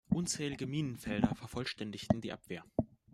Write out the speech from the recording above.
Unzählige Minenfelder vervollständigten die Abwehr.